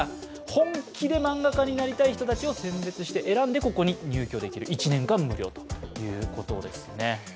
本気で漫画家になりたい人たちを選別して選んでここに入居できる、１年間無料ということですね。